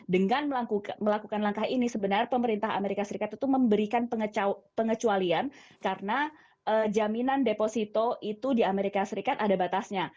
dengan melakukan langkah ini sebenarnya pemerintah amerika serikat itu memberikan pengecualian karena jaminan deposito itu di amerika serikat ada batasnya